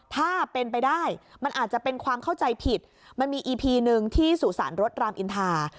ถ้าเป็นไปได้มันอาจจะเป็นความเข้าใจผิดมันมีอีพีหนึ่งที่สุสานรถรามอินทา